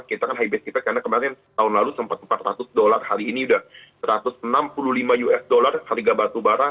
kita kan high base kita karena kemarin tahun lalu sempat empat ratus dolar hari ini sudah satu ratus enam puluh lima usd harga batubara